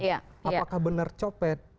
apakah benar copet